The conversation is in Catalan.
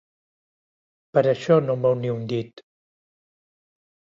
Per això no mou ni un dit.